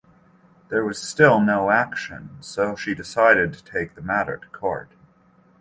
There was still no action so she decided to take the matter to court.